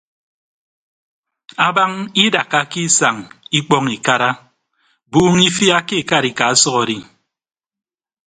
Abañ idakkake isañ ikpọñ ikara buuñ ifia ke ekarika ọsʌk adi.